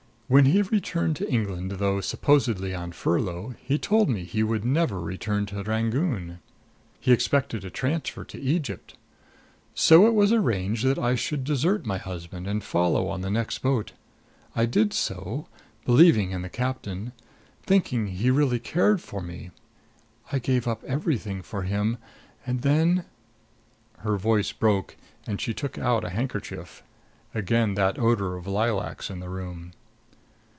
"When he returned to England, though supposedly on a furlough, he told me he would never return to Rangoon. He expected a transfer to Egypt. So it was arranged that I should desert my husband and follow on the next boat. I did so believing in the captain thinking he really cared for me I gave up everything for him. And then " Her voice broke and she took out a handkerchief. Again that odor of lilacs in the room.